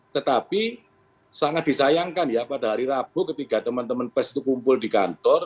tetapi sangat disayangkan ya pada hari rabu ketika teman teman pes itu kumpul di kantor